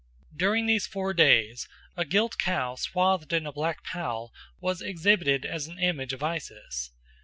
During these four days a gilt cow swathed in a black pall was exhibited as an image of Isis.